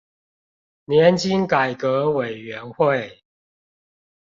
年金改革委員會